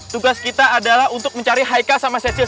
tugas kita adalah untuk mencari haikal sama cecil